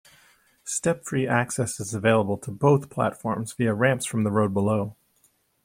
Step-free access is available to both platforms via ramps from the road below.